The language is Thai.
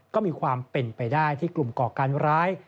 ก็มีความเป็นไปได้ที่กลุ่มก่อการร้าย